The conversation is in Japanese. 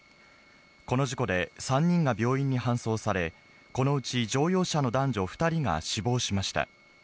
この事故で、３人が病院に搬送され、このうち乗用車の男女２人が死亡しました。